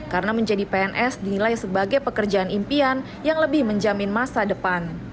karena menjadi pns dinilai sebagai pekerjaan impian yang lebih menjamin masa depan